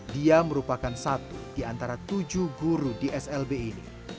dia merupakan satu di antara tujuh guru di slb ini